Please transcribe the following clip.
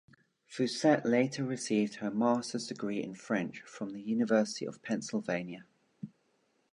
Fauset later received her master's degree in French from the University of Pennsylvania.